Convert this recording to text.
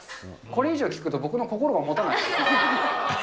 これ以上聞くと、僕の心がもたない。